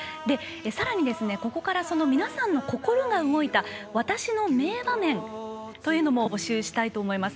さらに、ここからは皆さんの心が動いた私の名場面というのも募集したいと思います。